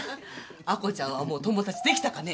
亜子ちゃんはもう友達できたかね？